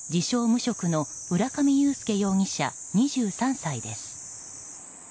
無職の浦上裕介容疑者、２３歳です。